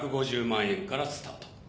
１５０万円からスタート。